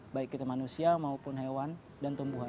baik itu manusia maupun hewan dan tumbuhan